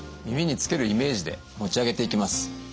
耳につけるイメージで持ち上げていきます。